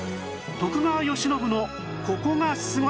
徳川慶喜のここがすごい！